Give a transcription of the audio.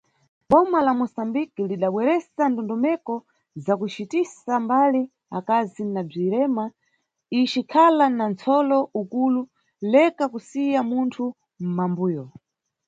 Bma la Mosambiki, lidabweresa ndondomeko za kucitisa mbali akazi na bzirema, icikhala na nʼsolo ukulu "Leka kusiya munthu mʼmambuyo".